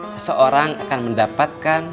seseorang akan mendapatkan